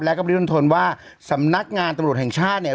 แล้วก็บริมณฑลว่าสำนักงานตำรวจแห่งชาติเนี่ย